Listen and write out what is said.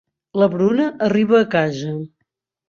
La Bruna arriba a casa.